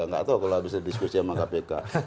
nggak tahu kalau bisa diskusi sama kpk